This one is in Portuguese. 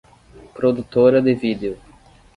Produtora de vídeo